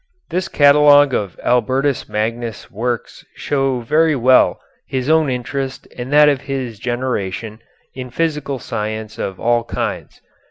This catalogue of Albertus Magnus' works shows very well his own interest and that of his generation in physical science of all kinds.